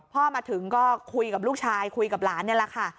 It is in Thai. พ่อมาถึงก็คุยกับลูกชายคุยกับหลานนี่แหละค่ะ